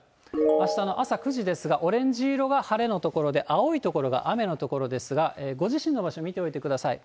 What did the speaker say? あしたの朝９時ですが、オレンジ色が晴れの所で、青い所が雨の所ですが、ご自身の場所、見ておいてください。